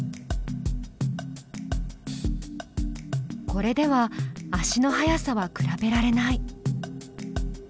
これでは足の速さは比べられない。